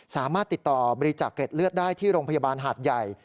สามารถติดต่อบริจาคเกร็ดเลือดได้ที่โรงพยาบาลหาดใหญ่